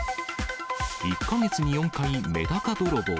１か月に４回、メダカ泥棒。